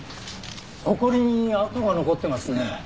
ほこりに跡が残ってますね。